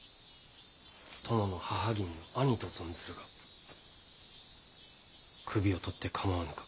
殿の母君の兄と存ずるが首をとって構わぬか。